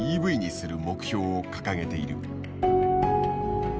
する目標を掲げている。